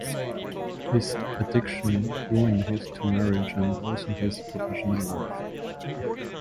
His addiction ruined His two marriages and also His professional life.